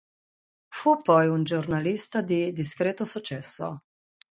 Fu poi un giornalista di discreto successo.